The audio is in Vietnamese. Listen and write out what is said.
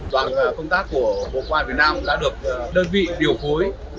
đoàn công tác của bộ quản việt nam đã được đơn vị điều phối